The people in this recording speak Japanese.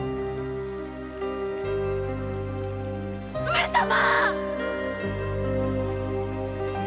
上様！